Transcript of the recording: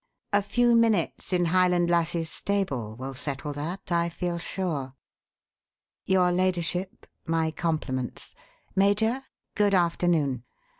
A few minutes in Highland Lassie's stable will settle that, I feel sure. Your ladyship, my compliments. Major, good afternoon.